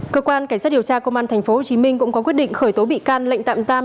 cơ quan cảnh sát điều tra công an tp hcm cũng có quyết định khởi tố bị can lệnh tạm giam